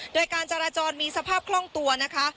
โดยการจราจรมีสภาพคล่องตัวนะคะ